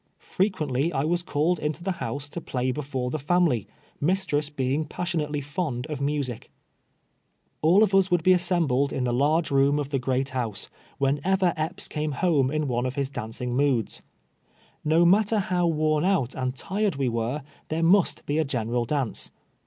Frequently I was called into the house to play before the family, mistress being passionately fond of music. All of us would be assembled in the large room of the great house, whenever Epps came home in one of his dancing moods. Ko matter how worn out and tired we were, there must be a general dauce.